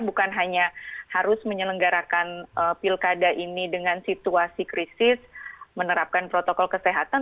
bukan hanya harus menyelenggarakan pilkada ini dengan situasi krisis menerapkan protokol kesehatan